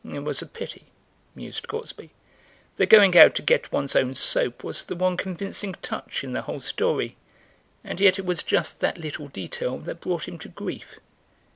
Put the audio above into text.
"It was a pity," mused Gortsby; "the going out to get one's own soap was the one convincing touch in the whole story, and yet it was just that little detail that brought him to grief.